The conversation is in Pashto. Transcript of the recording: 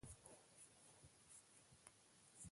د ګډوالو نه زيات تاوان جلال آباد ښار وينئ.